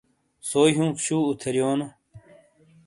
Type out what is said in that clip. سوئی ہُونک شُوں اُتھیاریونو۔